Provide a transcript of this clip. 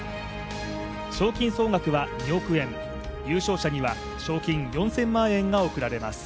賞金総額は２億円優勝者には賞金４０００万円が贈られます。